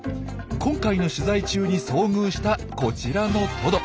今回の取材中に遭遇したこちらのトド。